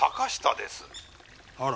あら？